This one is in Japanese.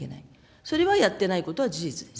それはやってないことは事実です。